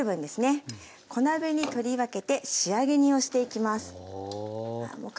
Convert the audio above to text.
小鍋に取り分けて仕上げ煮をしていきます。